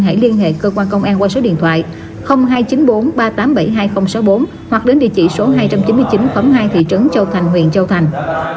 hãy liên hệ cơ quan công an qua số điện thoại hai trăm chín mươi bốn ba trăm tám mươi bảy hai nghìn sáu mươi bốn hoặc đến địa chỉ số hai trăm chín mươi chín khóm hai thị trấn châu thành huyện châu thành